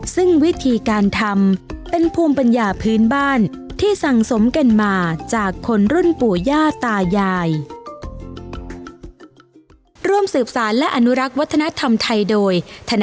ซึ่งวิธีการทำเป็นภูมิปัญญาพื้นบ้านที่สั่งสมกันมาจากคนรุ่นปู่ย่าตายาย